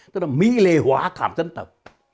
tức là mỹ lệ hóa cảm dân tộc